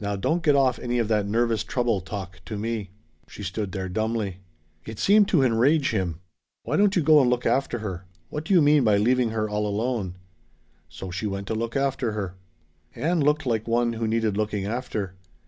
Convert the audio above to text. Now don't get off any of that 'nervous trouble' talk to me!" She stood there dumbly. It seemed to enrage him. "Why don't you go and look after her! What do you mean by leaving her all alone?" So she went to look after her. Ann looked like one who needed looking after.